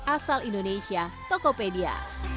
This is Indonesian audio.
asal indonesia tokopedia